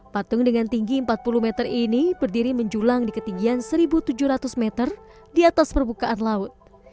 patung dengan tinggi empat puluh meter ini berdiri menjulang di ketinggian satu tujuh ratus meter di atas permukaan laut